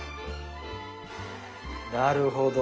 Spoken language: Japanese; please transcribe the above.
なるほど。